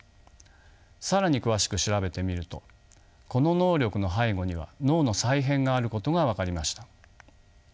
更に詳しく調べてみるとこの能力の背後には脳の再編があることが分かりました。